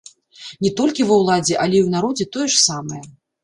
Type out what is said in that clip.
Не толькі ва ўладзе, але і ў народзе тое ж самае.